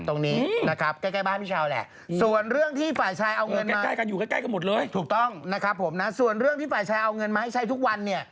ตรงนี้นะครับใกล้บ้านพี่ชาวแหละส่วนเรื่องที่ฝ่ายชายเอาเงินมาให้ใช้ทุกวันเนี่ย